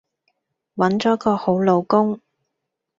搵咗個好老公